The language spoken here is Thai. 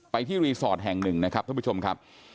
ที่รีสอร์ทแห่งหนึ่งนะครับท่านผู้ชมครับ